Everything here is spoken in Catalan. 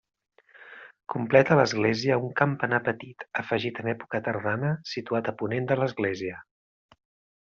Completa l'església un campanar petit, afegit en època tardana, situat a ponent de l'església.